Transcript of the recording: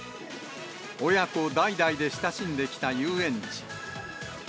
親子代々で親しんできた遊園地。